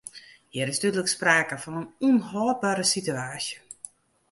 Hjir is dúdlik sprake fan in ûnhâldbere sitewaasje.